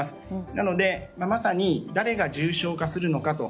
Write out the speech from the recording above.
なので、誰が重症化するのかと。